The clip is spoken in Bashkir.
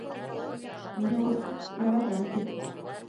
Мине ул... яратам, ти!